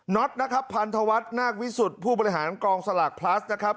็อตนะครับพันธวัฒน์นาควิสุทธิ์ผู้บริหารกองสลากพลัสนะครับ